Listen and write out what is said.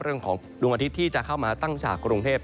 เรื่องของดวงอาทิตย์ที่จะเข้ามาตั้งจากกรุงเทพฯ